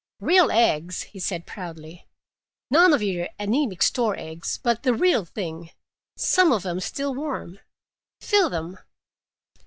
"Real eggs," he said proudly. "None of your anemic store eggs, but the real thing—some of them still warm. Feel them!